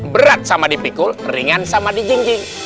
berat sama dipikul ringan sama dijing jing